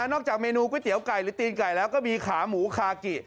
จากเมนูก๋วยเตี๋ยวไก่หรือตีนไก่แล้วก็มีขาหมูคากิ